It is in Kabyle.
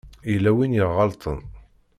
Yella win i iɣelṭen.